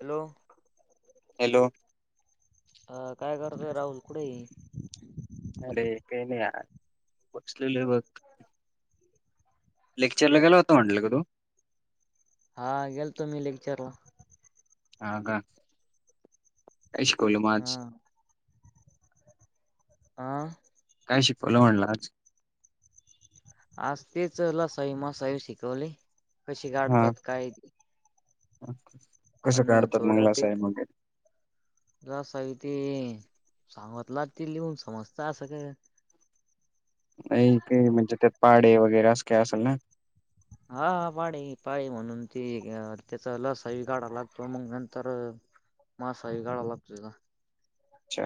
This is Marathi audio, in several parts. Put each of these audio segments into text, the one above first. हॅलो हॅलो अ काय करत राहुल कुठे अरे काही नाही वसलेली बघ लेक्चरला कुठं गेला होता म्हटलं का तू हा गेलतो मी लेक्चर ला हा का काय शिकवल हा माच आ काय शिकवलं म्हणला आज तेच ल साई म साई शिकवले कशी हा कााढतात काय कसं अन काढतात मंगला साहेब वगैरे ज सग ते सांगतला ते लिहून समजत असं का नाही का म्हणजे त्यात पाडे वगैरे असं काही असेल ना हाा पाणी पाय म्हणून त त्याचा लस ब कााडावा लागतो मग नंतर मासा ह गाड लागत अच्छा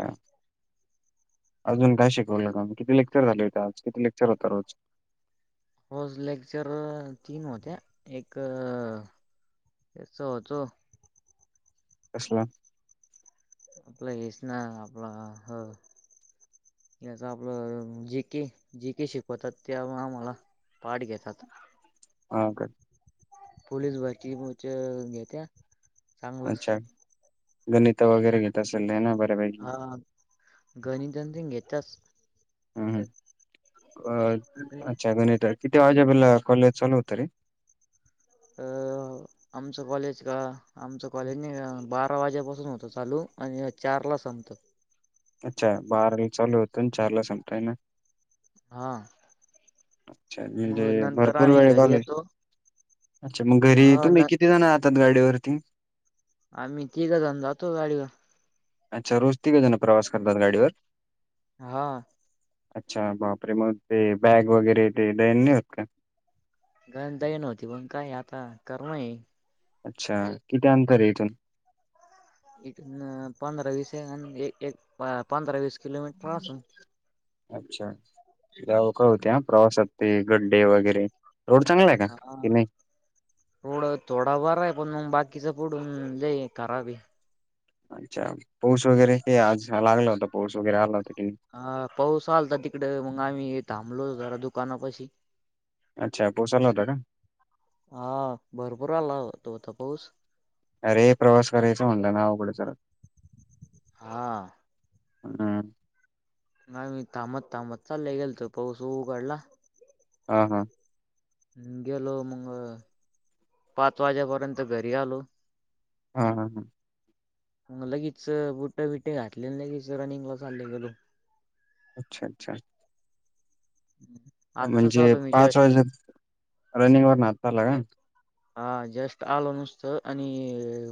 अजून काय शिकवलंग आम् कि लेक्चर झाले होते आज किती लेक्र होता रोज फज लेक्चर तीन होत्या एक त्याचा होतो अससल आपला येश ना आपला ह याच आपलं जी केे जी केे शिकवतात तेण आम्हाला पाारड घेतात हा का पोलीस बकी घेते अच्छा गणित वगैरे गे तस ल ना बरे बा हा गणितन तेन घेत्याच हम् अ अच्छगण तर किती आजाबिलाॉलेज चालवत रे अ आमचं कॉलेज का आमचं कॉलेजनी बारा वाज्यापासून होतं चालू आणि चारला संपत अच्छा बाराला चालू होतो चार ला संताय ना हा अच्छ म्हणजे मग नंतर भरपूर आम्ही वेळ घरी गल येतो अच्छा मग घरी हा तुम्ही न किती किती जण जातात गाडीवरती आम्ही तिघ जाऊन जातो गाडीवर अच्छा रोज तिघ जण प्रवास करतात गाडीवर हा अच्छा बापरे मग ते बॅग वगैरे ते दन नाही होत का गणताही नव्हती पण काय आता करण अच्छा किती अंतर आहे इथून इ पंधरा वस पंधरा वीस किलोमीटर अससू अच्छा गाव का होते हा प्रवासात ते गड्डे वगैरे रोड चांगला आहे का हा कि नाही रोड थोडा बर आहे पण बाकीच पुढून ल करावी अच्छा पाऊस वगैरे हे आज लागला होता पाऊस वगैरे आला होता की हा पाऊस आलता तिकडे मग आम्ही थांबलो जरा दुकानापशी अच्छा पोसायला होता का हा भरपूर आला तो होता पाऊस अरे प्रवास करायचा म्हणलं नावकडें चर हा. ह नाही मी थांबत थांबत चालले गेल तो पाऊस उघडला हा हा गेलो मग पाच वाजेपर्यंत घरी आलो हा हम हम लगेच बुटं बिटे घातलेलं लगेच रनिंगला चालले गलो अच्छा अच्छा हम्म म्हणजे पाच वाजे रनिंग वर नाताला का हा जस्ट आलो नुसतं आणि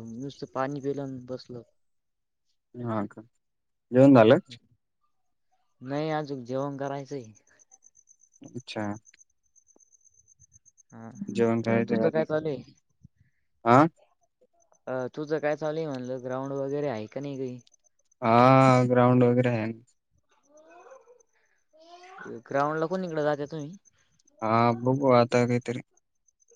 नुसतं पाणी पिलं बसलं हा का येेऊन झालं नाही अजू जेवण करायचंही अच्छा जेवण हा तुझं काय चालय आं अ तुझं काय चालूय म्हणलं ग्राउंड वगैरे आहे का नाही काही हा ग्राउंड वगैरे आहे ग्रांड ला कोन नििकड जाते तुम्ही हा बुबु आतगयतरी